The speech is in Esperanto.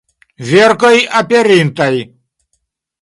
Verkoj aperintaj.